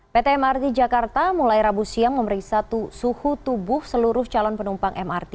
pt mrt jakarta mulai rabu siang memeriksa suhu tubuh seluruh calon penumpang mrt